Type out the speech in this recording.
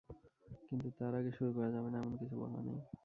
কিন্তু তার আগে শুরু করা যাবে না, এমন কিছু বলা নেই।